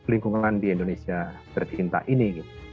lingkungan di indonesia tercinta ini